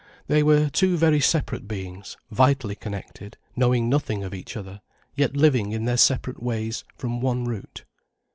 They were two very separate beings, vitally connected, knowing nothing of each other, yet living in their separate ways from one root.